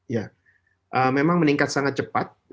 ya memang meningkat sangat cepat